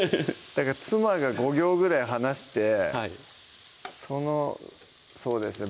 妻が５行ぐらい話してそのそうですね